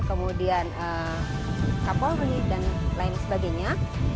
kemudian kapolri dan lain sebagainya